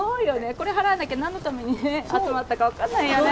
これ払わなきゃなんのために集まったかわからないよね。